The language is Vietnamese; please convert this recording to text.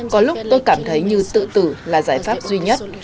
có lúc tôi cảm thấy như tự tử là giải pháp duy nhất